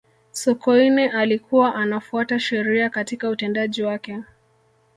sokoine alikuwa anafuata sheria katika utendaji wake